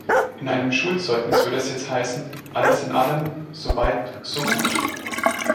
In einem Schulzeugnis würde es jetzt heißen, alles in allem, so weit, so gut.